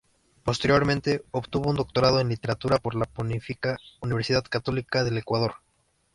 Posteriormente obtuvo un doctorado en Literatura por la Pontificia Universidad Católica del Ecuador.